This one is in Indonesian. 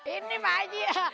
ini pak haji